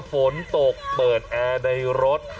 ฝนตกเปิดแอร์ในรถ